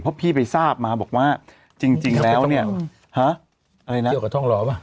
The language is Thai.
เพราะพี่ไปทราบมาบอกว่าจริงแล้วเนี่ยฮะอะไรนะเกี่ยวกับท่องล้อป่ะ